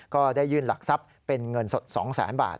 ก็ได้ยื่นหลักทรัพย์เป็นเงินสด๒แสนบาท